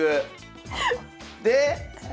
で？